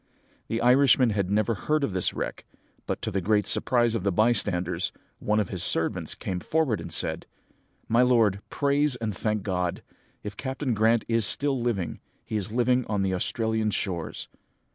"The Irishman had never heard of this wreck; but, to the great surprise of the bystanders, one of his servants came forward and said, "'My lord, praise and thank God! If Captain Grant is still living, he is living on the Australian shores.'